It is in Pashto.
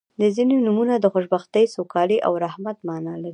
• ځینې نومونه د خوشبختۍ، سوکالۍ او رحمت معنا لري.